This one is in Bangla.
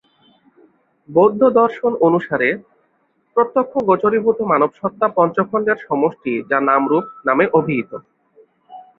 বৌদ্ধদর্শন অনুসারে, প্রত্যক্ষগোচরীভূত মানবসত্তা পঞ্চখন্ডের সমষ্টি যা নাম-রূপ নামে অভিহিত।